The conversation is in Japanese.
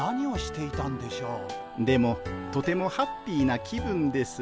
でもとてもハッピーな気分です。